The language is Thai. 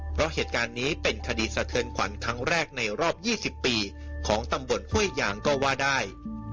เพราะเหตุการณ์นี้เป็นคดีสะเทือนขวัญครั้งแรกในรอบ๒๐ปีของตำบลห้วยยางก็ว่าได้